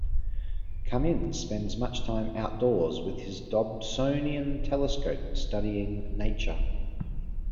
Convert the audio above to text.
Kamin spends much time outdoors and with his Dobsonian telescope studying nature.